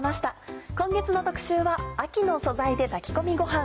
今月の特集は「秋の素材で炊き込みごはん」。